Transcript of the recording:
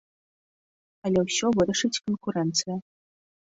Але ўсё вырашыць канкурэнцыя.